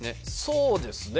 そうですね